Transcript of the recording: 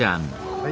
はい。